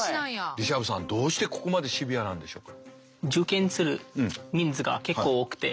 リシャブさんどうしてここまでシビアなんでしょうか？